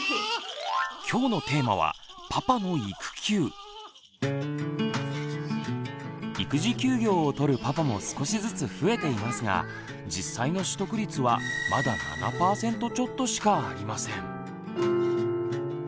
今日のテーマは育児休業をとるパパも少しずつ増えていますが実際の取得率はまだ７％ちょっとしかありません。